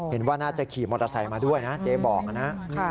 เห็นว่าน่าจะขี่มอเตอร์ไซค์มาด้วยนะเจ๊บอกนะ